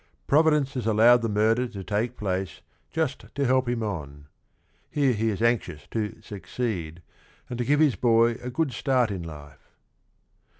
Provi dence has allowed the murder to take place just to help him on. Here he is anxious to succeed and to give his boy a good start in life.